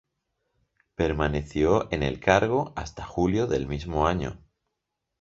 Permaneció en el cargo hasta julio del mismo año.